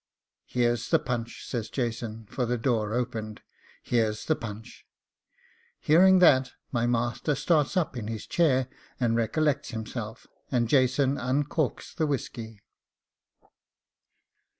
'Here's the punch,' says Jason, for the door opened; 'here's the punch!' Hearing that, my master starts up in his chair, and recollects himself, and Jason uncorks the whisky.